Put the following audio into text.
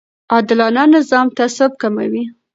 عادلانه نظام تعصب کموي